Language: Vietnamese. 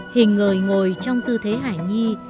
hình người ngồi trong tư thế hải nhi